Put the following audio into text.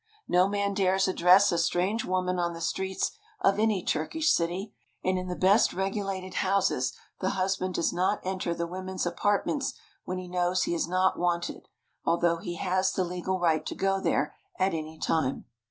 No man dares address a strange woman on the streets of any Turkish city, and in the best regulated houses the husband does not enter the women's apartments when he knows he is not wanted, although he has the legal right to go there at any time.